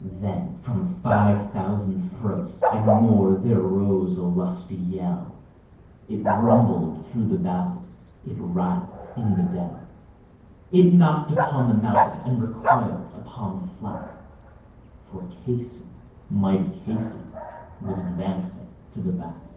Then from five thousand throats and more threr rose a lusty yell, It rumbled through the valley, it rattled in the dell, It knocked upon the mountain and recoiled upon the flat, For Casey, mighty Casey, was advancing to the bat.